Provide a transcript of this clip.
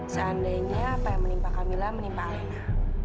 seandainya apa yang menimpa camilla menimpa alina